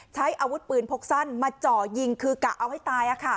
ใช้อาวุธปืนพกสั้นมาเจาะยิงคือกะเอาให้ตาย